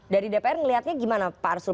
dari dpr melihatnya gimana pak arsul